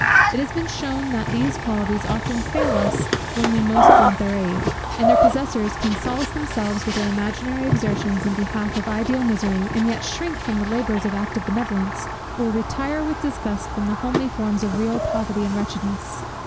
It has been shewn, that these qualities often fail us when most we want their aid; that their possessors can solace themselves with their imaginary exertions in behalf of ideal misery, and yet shrink from the labours of active benevolence, or retire with disgust from the homely forms of real poverty and wretchedness.